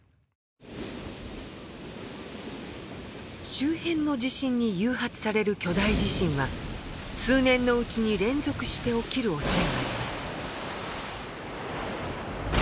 周辺の地震に誘発される巨大地震は数年のうちに連続して起きるおそれがあります。